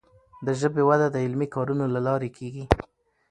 د ژبي وده د علمي کارونو له لارې کیږي.